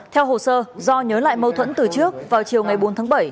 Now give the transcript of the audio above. theo hồ sơ do nhớ lại mâu thuẫn từ trước vào chiều ngày bốn tháng bảy